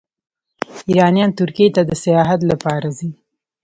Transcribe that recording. ایرانیان ترکیې ته د سیاحت لپاره ځي.